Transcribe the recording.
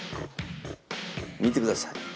見てください。